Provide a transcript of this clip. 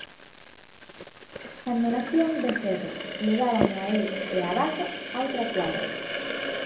Cando nacía un becerro levábano a el e á vaca a outra cuadra.